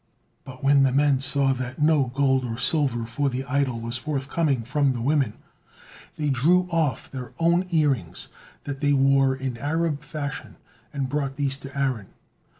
But when the men saw that no gold or silver for the idol was forthcoming from the women, they drew off their own earrings that they wore in Arab fashion, and brought these to Aaron.